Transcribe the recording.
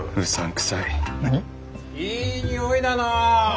いい匂いだなあ。